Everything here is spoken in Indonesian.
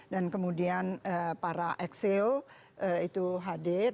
dan kemudian para eksil itu hadir